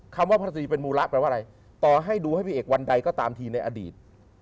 คำว่าพระศรีเป็นมูระแปลว่าอะไรต่อให้ดูให้พี่เอกวันใดก็ตามทีในอดีต